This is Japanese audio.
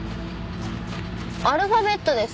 アルファベットです。